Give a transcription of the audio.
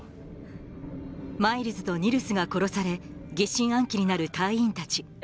マイルズとニルスが殺され疑心暗鬼になる隊員たち